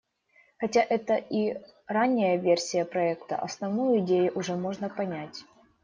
Хотя это и ранняя версия проекта, основную идею уже можно понять.